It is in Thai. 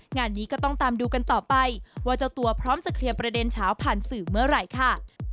งานนี้ก็ต้องตามดูกันต่อไปว่าเจ้าตัวพร้อมจะเคลียร์ประเด็นเช้าผ่านสื่อเมื่อไหร่ค่ะ